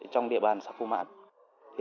trong địa bàn sạc phù mạng